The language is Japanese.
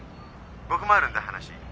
僕もあるんだ話。